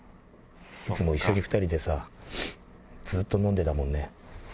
いつも一緒に２人でさ、ずっと飲んでたもんね。